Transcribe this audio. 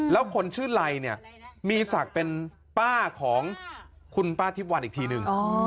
แล้วคนชื่อไลเนี่ยมีศักดิ์เป็นป้าของคุณป้าทิพย์วันอีกทีหนึ่ง